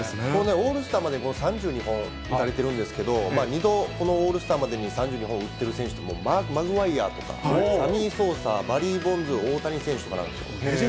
オールスターまでに３２本打たれてるんですけど、２度このオールスターまでに３２本打ってる選手って、マーク・マグワイヤーとか、サミー・ソーサー、バリー・ボンズ、大谷選手なんですよ。